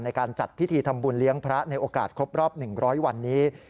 ในการจัดพิธีทำบุญเลี้ยงพระในโอกาสครบรอบ๑๐๐วันนี้